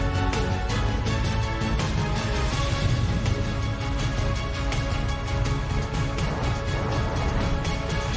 โปรดติดตามตอนต่อไป